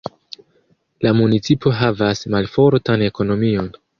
La municipo havas malfortan ekonomion.